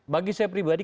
bagi saya pribadi